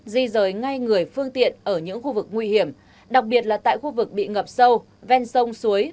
di rời ngay người phương tiện ở những khu vực nguy hiểm đặc biệt là tại khu vực bị ngập sâu ven sông suối